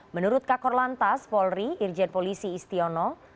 menurut kakor lantas polri irjen polisi istiono